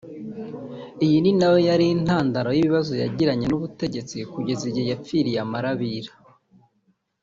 Iyo ni na yo yari intandaro y’ibibazo yagiranye n’ubutegetsi kugeza igihe yapfiriye amarabira